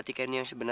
bisa tak kbed